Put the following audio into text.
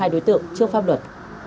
đối tượng chưa pháp luật